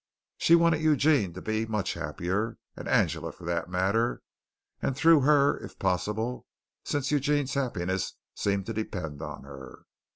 She wanted Eugene to be much happier, and Angela, for that matter and through her, if possible, since Eugene's happiness seemed to depend on her.